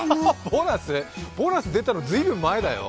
ボーナス出たのは随分前だよ。